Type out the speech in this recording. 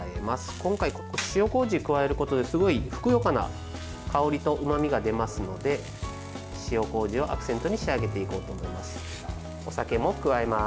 今回、塩こうじを加えることですごい、ふくよかな香りとうまみが出ますので塩こうじをアクセントに仕上げていこうと思います。